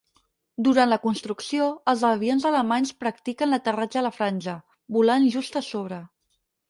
Durant la construcció, els avions alemanys practiquen l'aterratge a la franja, volant just a sobre.